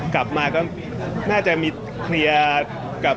กลับมาก็น่าจะมีเคลียร์กับ